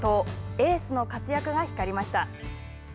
エースの活躍が光りました。